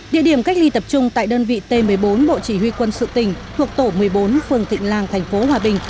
địa điểm cách ly tập trung tại đơn vị t một mươi bốn bộ chỉ huy quân sự tỉnh thuộc tổ một mươi bốn phường thịnh làng thành phố hòa bình